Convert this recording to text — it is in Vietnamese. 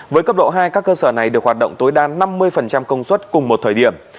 với cấp độ hai các cơ sở này được hoạt động tối đa năm mươi công suất cùng một thời điểm